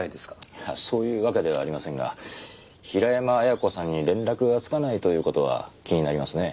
いやそういうわけではありませんが平山亜矢子さんに連絡がつかないという事は気になりますね。